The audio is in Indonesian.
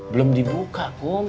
belum dibuka kum